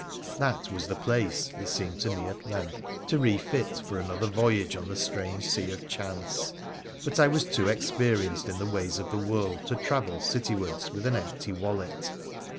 That was the place, it seemed to me at length, to refit for another voyage on the strange sea of chance ; but I was too experienced in the ways of the world to travel city wards with an empty wallet.